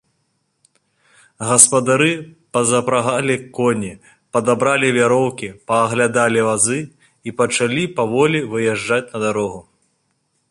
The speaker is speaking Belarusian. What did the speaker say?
Гаспадары пазапрагалі коні, падабралі вяроўкі, пааглядалі вазы і пачалі паволі выязджаць на дарогу.